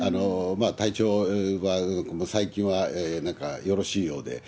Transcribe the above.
体調は、最近はなんかよろしいようで。